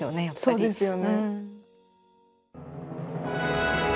そうですよね。